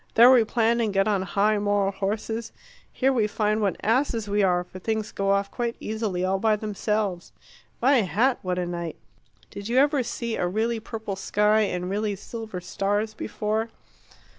There we plan and get on high moral horses. Here we find what asses we are, for things go off quite easily, all by themselves. My hat, what a night! Did you ever see a really purple sky and really silver stars before?